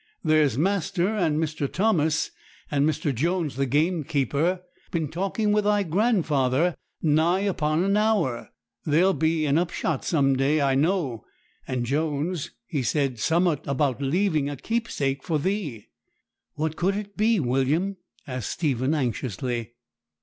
There's master, and Mr. Thomas, and Mr. Jones the gamekeeper, been talking with thy grandfather nigh upon an hour. There'll be a upshot some day, I know; and Jones, he said summat about leaving a keepsake for thee.' 'What could it be, William?' asked Stephen anxiously.